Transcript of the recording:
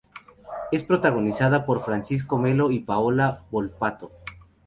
Es protagonizada por Francisco Melo y Paola Volpato.